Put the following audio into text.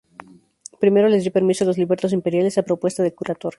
Primero les dio permiso a los libertos imperiales, a propuesta del curator.